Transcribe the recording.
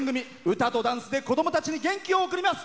歌とダンスで子どもたちに元気を送ります。